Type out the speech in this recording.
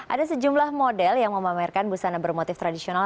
ada sejumlah model yang memamerkan busana bermotif tradisional